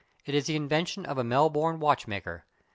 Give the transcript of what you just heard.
It is the invention of a Melbourne watchmaker.